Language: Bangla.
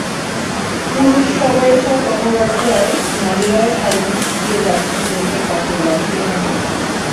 পুরুষ সবার এসব কথাবার্তায় নারীরাও সায় দিয়ে যাচ্ছেন দেখে কষ্ট লাগছিল ভীষণ।